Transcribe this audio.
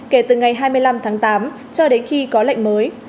kể từ ngày hai mươi năm tháng tám cho đến khi có lệnh mới